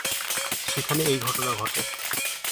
সেখানে এই ঘটনা ঘটে।